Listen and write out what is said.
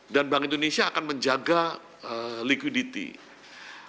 dan bank indonesia akan menjaga likuiditas